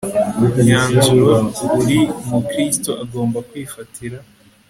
myanzuro buri mukristo agomba kwifatira